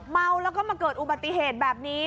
เมาแล้วก็มาเกิดอุบัติเหตุแบบนี้